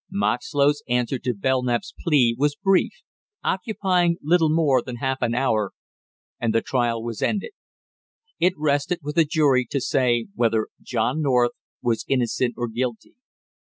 Moxlow's answer to Belknap's plea was brief, occupying little more than half an hour, and the trial was ended. It rested with the jury 'to say whether John North was innocent or guilty.